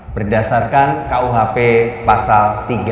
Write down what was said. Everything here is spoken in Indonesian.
berdasarkan kuhp pasal tiga ratus lima puluh sembilan